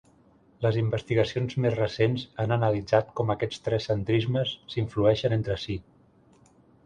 Les investigacions més recents han analitzat com aquests tres centrismes s'influeixen entre si.